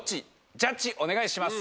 ジャッジお願いします。